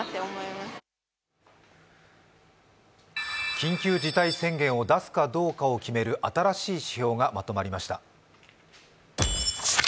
緊急事態宣言を出すかどうかを決める新しい指標がまとまりました。